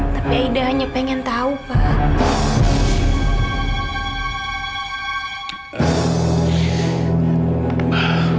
tapi aida hanya pengen tahu pak